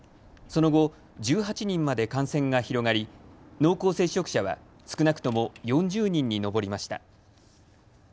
その後、１８人まで感染が広がり濃厚接触者は少なくとも４０人に上りました。